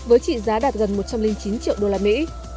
với trị giá đạt gần một trăm linh chín triệu đô la mỹ